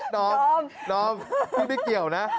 น้อมน้อมพี่ใบ่เกียวนะ